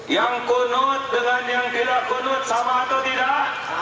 yang kunut dengan yang tidak kunut sama atau tidak